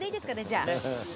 じゃあ。